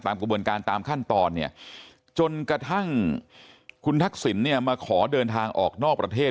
กระบวนการตามขั้นตอนเนี่ยจนกระทั่งคุณทักษิณเนี่ยมาขอเดินทางออกนอกประเทศ